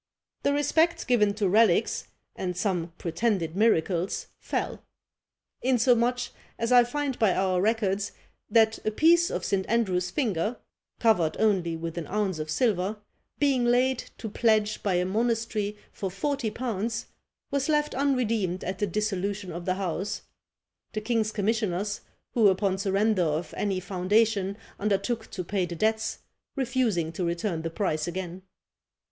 "The respect given to relics, and some pretended miracles, fell; insomuch, as I find by our records, that a piece of St. Andrew's finger (covered only with an ounce of silver), being laid to pledge by a monastery for forty pounds, was left unredeemed at the dissolution of the house; the king's commissioners, who upon surrender of any foundation undertook to pay the debts, refusing to return the price again."